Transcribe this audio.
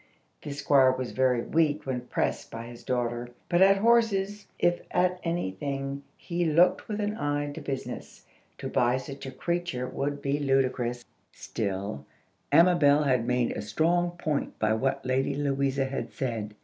The Squire was very weak when pressed by his daughter, but at horses, if at any thing, he looked with an eye to business. To buy such a creature would be ludicrous. Still, Amabel had made a strong point by what Lady Louisa had said.